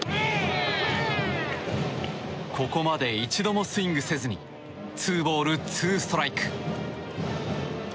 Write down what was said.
ここまで一度もスイングせずにツーボールツーストライク。